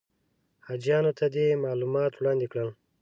حاجیانو ته دې معلومات وړاندې کړي.